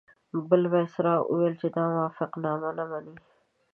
بل وایسرا ووایي چې دا موافقتنامه نه مني.